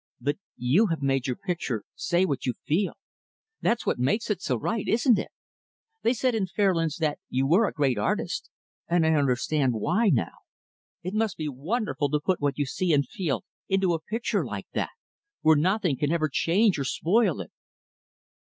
But you have made your picture say what you feel. That's what makes it so right, isn't it? They said in Fairlands that you were a great artist, and I understand why, now. It must be wonderful to put what you see and feel into a picture like that where nothing can ever change or spoil it."